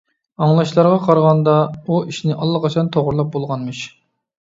ئاڭلاشلارغا قارىغاندا، ئۇ ئىشنى ئاللىقاچان توغرىلاپ بولغانمىش.